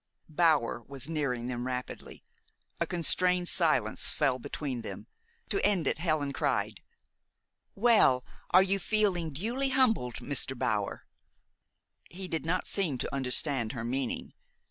Bower was nearing them rapidly. A constrained silence fell between them. To end it, Helen cried: "Well, are you feeling duly humbled, Mr. Bower?" He did not seem to understand her meaning.